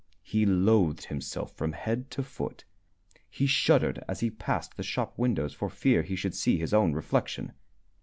He loathed himself from head to foot. He shuddered as he passed the shop windows for fear he should see his own reflection.